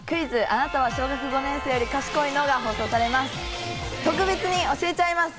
あなたは小学５年生より賢いの？』が放送されます。